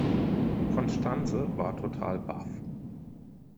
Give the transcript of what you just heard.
Constanze war total baff.